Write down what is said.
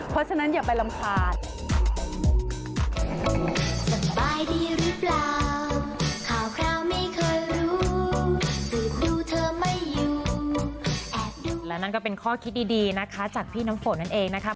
เพราะฉะนั้นอย่าไปลำขาด